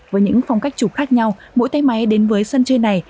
với những phong cách chụp khác nhau mỗi tay máy đến với sân chơi này